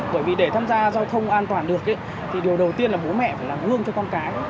bởi vì để tham gia giao thông an toàn được thì điều đầu tiên là bố mẹ phải làm gương cho con cái